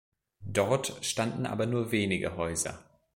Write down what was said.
Dort standen aber nur wenige Häuser.